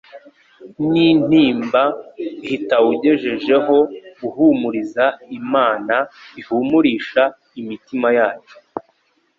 n'intimba hitawugejejeho guhumuriza Imana ihumurisha imitima yacu!